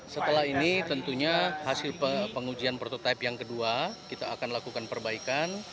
setelah ini tentunya hasil pengujian prototipe yang kedua kita akan lakukan perbaikan